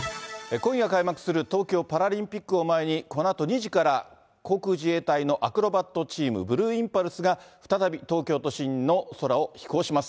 今夜開幕する東京パラリンピックを前に、このあと２時から、航空自衛隊のアクロバットチーム、ブルーインパルスが、再び東京都心の空を飛行します。